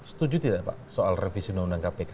setuju tidak pak soal revisi undang undang kpk